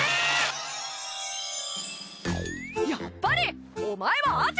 やっぱり！お前はアチャ。